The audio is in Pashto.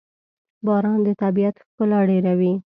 باران د طبیعت ښکلا ډېروي.